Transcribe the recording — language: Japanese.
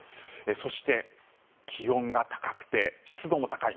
そして、気温が高くて湿度も高い。